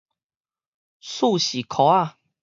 四序箍仔